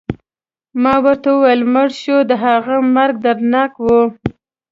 ما ورته وویل: مړ شو، د هغه مرګ دردناک و.